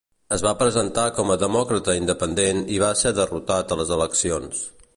Es va presentar com a demòcrata independent i va ser derrotat a les eleccions.